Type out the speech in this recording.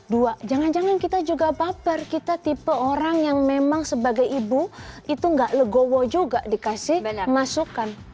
dua jangan jangan kita juga baper kita tipe orang yang memang sebagai ibu itu nggak legowo juga dikasih masukan